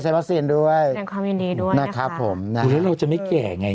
แสดงความยินดีด้วยนะครับนะครับผมนะครับเดี๋ยวเราจะไม่แก่ไง